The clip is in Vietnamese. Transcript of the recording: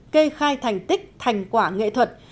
kê khai thành tích thành quả nghệ thuật